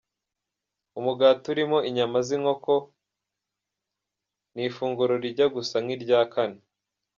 Umugati urimo inyama z’inkoko, ni ifunguro rijya gusa n’irya kane.